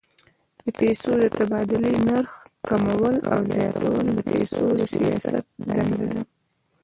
د پیسو د تبادلې نرخ کمول او زیاتول د پیسو د سیاست دنده ده.